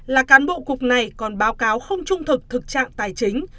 là cán bộ cục này còn báo cáo không trung thực thực trạng tài chính